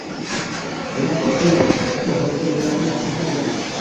Ular ikki tomonga yuradilar. To‘xtaydilar.